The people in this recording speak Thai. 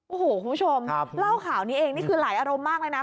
โอ้โหคุณผู้ชมเล่าข่าวนี้เองนี่คือหลายอารมณ์มากเลยนะ